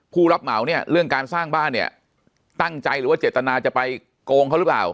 ผู้รับเหมาเนี่ยเรื่องการสร้างบ้านเนี่ยตั้งใจหรือว่าเจตนาจะไปโกงเขาหรือเปล่า